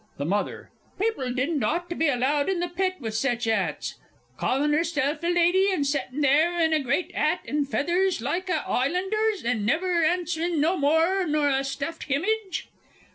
_ THE MOTHER. People didn't ought to be allowed in the Pit with sech 'ats! Callin' 'erself a lady and settin' there in a great 'at and feathers like a 'Ighlander's, and never answering no more nor a stuffed himage!